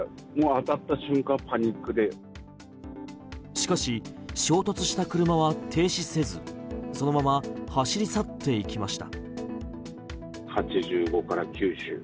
しかし、衝突した車は停止せずそのまま走り去っていきました。